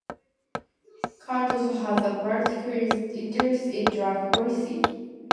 Cardoso has a particular interest in drug policy.